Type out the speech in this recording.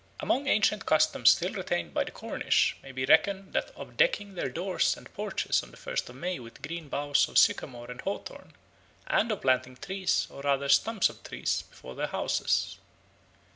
"Among ancient customs still retained by the Cornish, may be reckoned that of decking their doors and porches on the first of May with green boughs of sycamore and hawthorn, and of planting trees, or rather stumps of trees, before their houses."